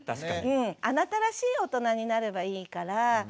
あなたらしい大人になればいいから。